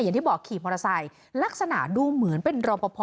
อย่างที่บอกขี่มอเตอร์ไซค์ลักษณะดูเหมือนเป็นรอปภ